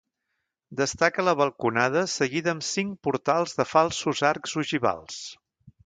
Destaca la balconada seguida amb cinc portals de falsos arcs ogivals.